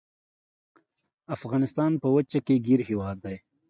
افغانستان په وچه کې ګیر هیواد دی.